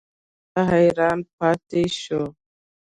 یوه ورځ هغه حیران پاتې شو.